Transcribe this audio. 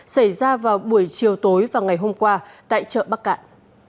xảy ra vào buổi chiều tối và ngày hôm qua tại chợ bắc cạn